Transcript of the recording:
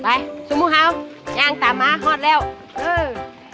ไปสุโมฮาวยางตามมาหอดแล้วอืม